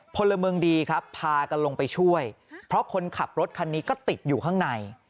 พลเมืองดีครับพากันลงไปช่วยเพราะคนขับรถคันนี้ก็ติดอยู่ข้างใน